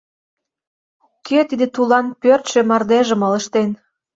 Кӧ тиде тулан пӧрдшӧ мардежым ылыжтен?